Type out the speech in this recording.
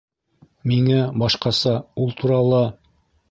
- Миңә... башҡаса... ул турала!..